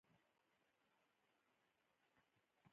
هغه خیاط او آهنګر هم په کار اچوي